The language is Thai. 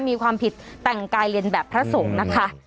มีความผิดแต่งกายเรียนแบบพระสงฆ์นะคะ